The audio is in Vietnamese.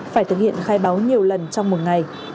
phải thực hiện khai báo nhiều lần trong một ngày